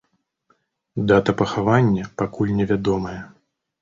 Дата пахавання пакуль невядомая.